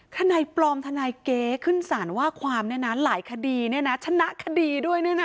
ทนายปลอมทนายเก๊ขึ้นสารว่าความเนี่ยนะหลายคดีเนี่ยนะชนะคดีด้วยเนี่ยนะ